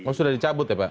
oh sudah dicabut ya pak